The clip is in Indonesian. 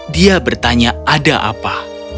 dia bertanya ada apa